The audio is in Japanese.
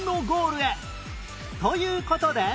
という事で